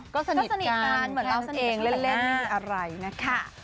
ก็สนิดกันเหมือนเราเองเล่นอะไรนะคะ